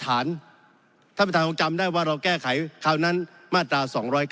ถ้าเป็นทางจำได้ว่าเราแก้ไขคราวนั้นมาตรา๒๙๑